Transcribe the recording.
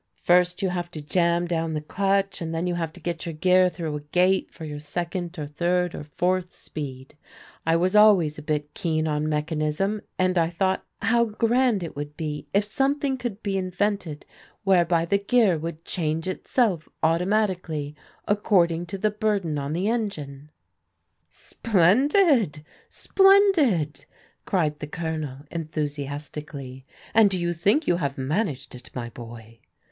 First you have to jam down the clutch, and then you have to get your gear through a gate for your second or third or fourth speed. I was always a bit keen on mechanism and I thought how grand it would be if something could be invented whereby the gear would change itself automatically according to the burden on the engine.*' THE GIRLS TAKE FRENCH LEAVE 131 ^ Splendid ! Splendid !" cried the Colonel enthusias tically. " And do you think you have managed it, mj; boy?''